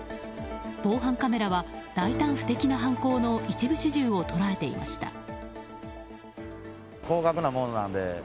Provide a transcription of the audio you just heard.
防犯カメラは大胆不敵な犯行の一部始終を捉えていました。